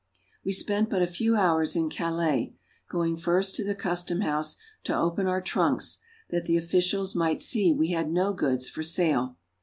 We spent but a few hours in Calais (see map, p. 103), going first to the customhouse to open our trunks, that the officials might see we had no goods for sale.